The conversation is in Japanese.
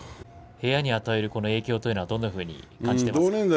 部屋に与える影響はどういうふうに感じていますか？